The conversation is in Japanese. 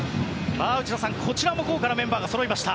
内田さん、こちらも豪華なメンバーがそろいました。